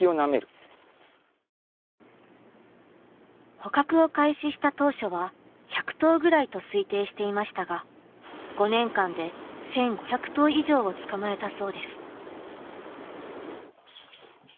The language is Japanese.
捕獲を開始した当初は１００頭ぐらいと推定していましたが５年間で１５００頭以上を捕まえたそうです。